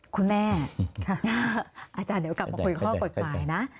คุณแม่อาจารย์เดี๋ยวกลับมาคุยข้ออีกข้อกดไว้นะ